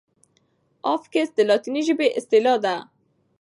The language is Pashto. افکس د لاتیني ژبي اصطلاح ده.